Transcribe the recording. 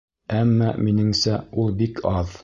Әммә, минеңсә, ул бик аҙ.